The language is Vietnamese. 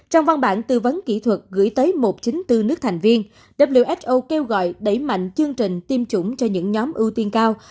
trong văn bản tư vấn kỹ thuật gửi tới một trăm chín mươi bốn nước thành viên who kêu gọi đẩy mạnh chương trình tiêm chủng cho những nhóm ưu tiên cao